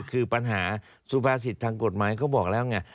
คือปัญหาสุภาษิตทางกฎหมายเขาบอกแล้วไง